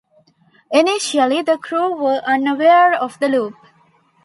Initially, the crew are unaware of the loop.